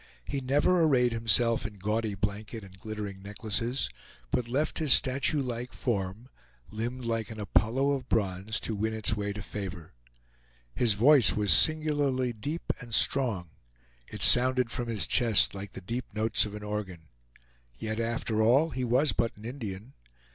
He never arrayed himself in gaudy blanket and glittering necklaces, but left his statue like form, limbed like an Apollo of bronze, to win its way to favor. His voice was singularly deep and strong. It sounded from his chest like the deep notes of an organ. Yet after all, he was but an Indian.